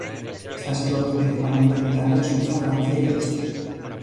Están situados principalmente en Italia, Suiza, Francia y Austria.